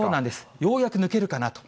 ようやく抜けるかなと。